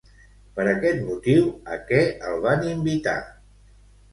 Per aquest motiu, a què el van invitar?